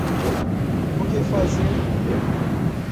O que fazer